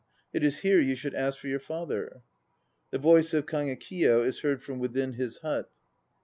It is here you should ask for your father. (The voice of KAGEKIYO is heard from within his hut.)